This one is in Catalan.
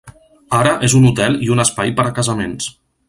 Ara és un hotel i un espai per a casaments.